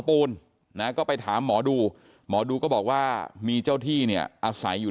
ปูนนะก็ไปถามหมอดูหมอดูก็บอกว่ามีเจ้าที่เนี่ยอาศัยอยู่